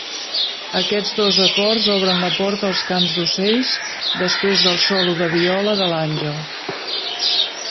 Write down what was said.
Aquests dos acords obren la porta als cants d'ocells després del solo de viola de l'àngel.